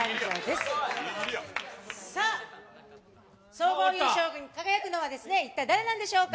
総合優勝に輝くのは一体誰なんでしょうか。